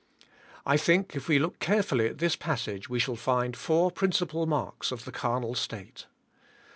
I think if we look carefully at this passage we shall find four principal marks of the carnal state.